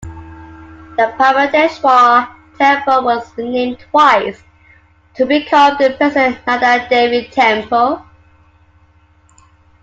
The Pabateshwar temple was renamed twice, to become the present Nanda Devi temple.